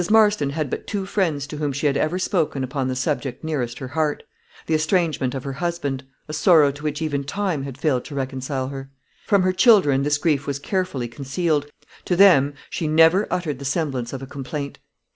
Marston had but two friends to whom she had ever spoken upon the subject nearest her heart the estrangement of her husband, a sorrow to which even time had failed to reconcile her. From her children this grief was carefully concealed. To them she never uttered the semblance of a complaint.